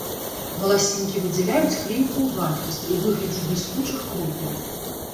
Валасінкі выдзяляюць клейкую вадкасць у выглядзе бліскучых кропель.